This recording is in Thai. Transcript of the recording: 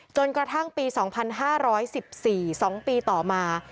จนกระทั่งปี๒๕๑๔๒ปีต่อมา